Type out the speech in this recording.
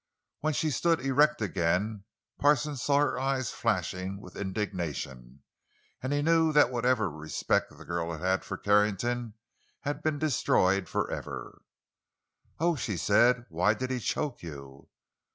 When she stood erect again Parsons saw her eyes flashing with indignation, and he knew that whatever respect the girl had had for Carrington had been forever destroyed. "Oh!" she said, "why did he choke you?"